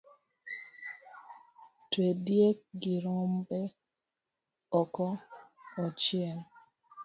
Twe diek gi rombe oko ochiem